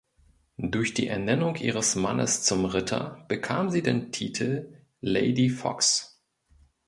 Durch die Ernennung ihres Mannes zum Ritter bekam sie den Titel "Lady Fox".